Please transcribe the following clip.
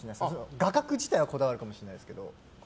画角自体はこだわるかもしれないですけど。